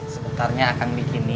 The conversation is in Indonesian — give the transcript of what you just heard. sebentar akan saya bikin